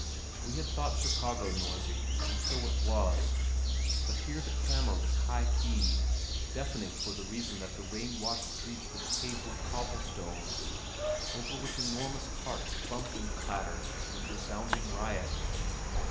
We had thought Chicago noisy, and so it was, but here the clamor was high keyed, deafening for the reason that the rain washed streets were paved with cobble stones over which enormous carts bumped and clattered with resounding riot.